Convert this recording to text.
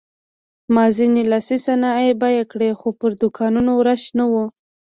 ما ځینې لاسي صنایع بیه کړې خو پر دوکانونو رش نه و.